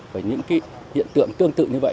với những hiện tượng tương tự như vậy